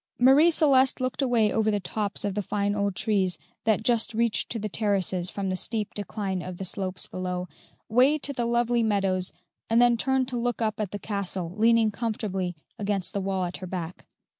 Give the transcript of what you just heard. Marie Celeste looked away over the tops of the fine old trees that just reach to the terraces from the steep decline of the slopes below, way to the lovely meadows, and then turned to look up at the castle, leaning comfortably against the wall at her back.